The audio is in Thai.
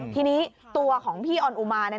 ทีนี้ตัวของพี่ออนอุมา